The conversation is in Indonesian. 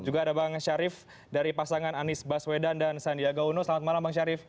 juga ada bang syarif dari pasangan anies baswedan dan sandiaga uno selamat malam bang syarif